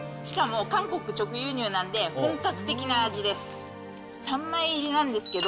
しかも韓国直輸入なんで、本格的な味です。